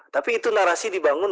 tapi itu narasi dibangun